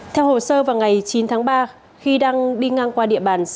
theo hồ sơ vào ngày chín tháng ba khi đang đi ngang qua địa bàn